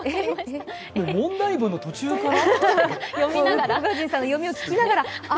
問題文の途中から？